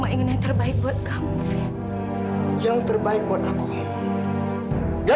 anya sudah tak berada meng michigan